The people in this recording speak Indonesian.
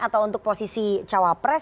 atau untuk posisi cawapres